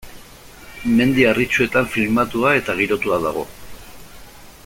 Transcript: Mendi Harritsuetan filmatua eta girotua dago.